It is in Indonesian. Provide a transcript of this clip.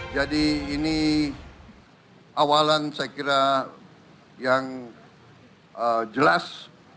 jadi ini awalan saya kira yang jelas